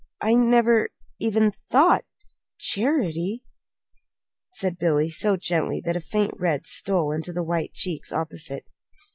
"I never even thought charity," said Billy, so gently that a faint red stole into the white cheeks opposite.